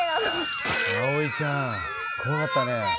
彩生ちゃん怖かったね。